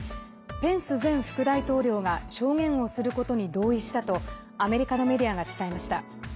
ペンス前副大統領が証言をすることに同意したとアメリカのメディアが伝えました。